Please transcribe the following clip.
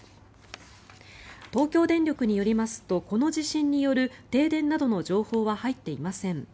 東京電力によりますとこの地震による停電などの情報は入っていません。